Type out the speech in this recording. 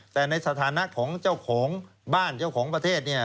แต่ในสถานะของเจ้าของบ้านเจ้าของประเทศเนี่ย